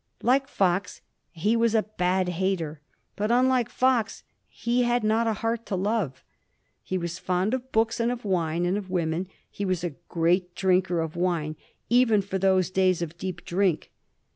Like Fox, he was a bad hater, but, unlike Fox, he had not a heart to love. He was fond of books, and of wine, and of women ; he was a great drinker of wine, even for those days of deep drink.